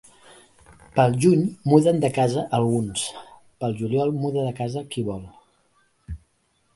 Pel juny muden de casa alguns; pel juliol muda de casa qui vol.